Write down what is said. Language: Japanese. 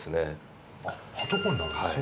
はとこになるんですね。